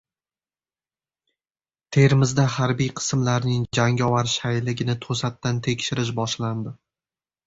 Termizda harbiy qismlarning jangovar shayligini to‘satdan tekshirish boshlandi